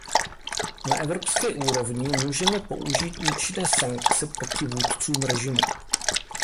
Na evropské úrovni můžeme použít účinné sankce proti vůdcům režimu.